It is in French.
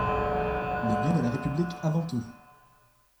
Le bien de la République avant tout.